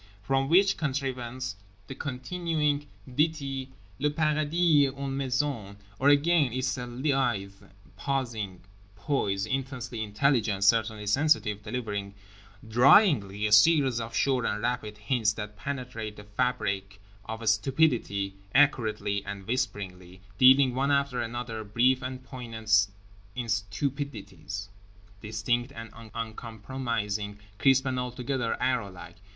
From which contrivance the continuing ditty "le paradis est une maison…." —Or again, it's a lithe pausing poise, intensely intelligent, certainly sensitive, delivering dryingly a series of sure and rapid hints that penetrate the fabric of stupidity accurately and whisperingly; dealing one after another brief and poignant instupidities, distinct and uncompromising, crisp and altogether arrowlike.